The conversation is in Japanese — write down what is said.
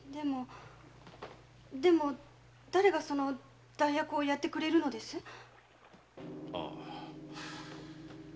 でも誰がその代役をやってくれるのです？